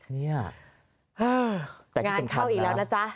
นี่งานเข้าอีกแล้วนะจ๊ะ